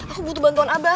aku butuh bantuan abah